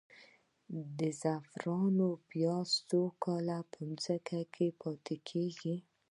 د زعفرانو پیاز څو کاله په ځمکه کې پاتې کیږي؟